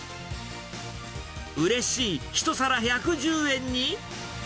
うれしい１皿１１０円に。